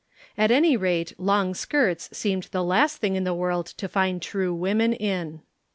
At any rate long skirts seemed the last thing in the world to find true women in.